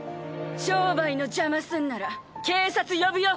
商売の邪魔すんなら警察呼ぶよ。